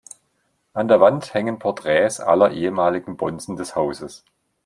An der Wand hängen Porträts aller ehemaligen Bonzen des Hauses.